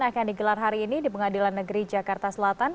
akan digelar hari ini di pengadilan negeri jakarta selatan